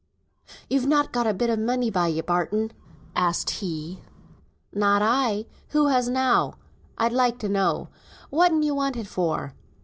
"You've not got a bit o' money by you, Barton?" asked he. "Not I; who has now, I'd like to know. Whatten you want it for?"